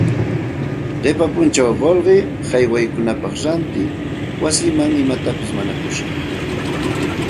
Qipa punchaw qullqi haywaykunapaq ranti wasimanta imapas mañakusqa